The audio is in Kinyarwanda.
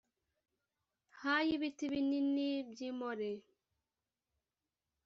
Ha y ibiti binini by i more